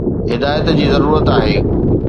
ھدايت جي ضرورت آھي